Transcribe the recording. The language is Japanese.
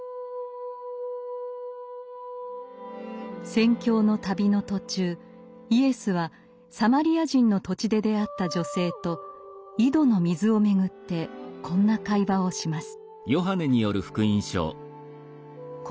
宣教の旅の途中イエスはサマリア人の土地で出会った女性と井戸の水をめぐってこんな会話をします。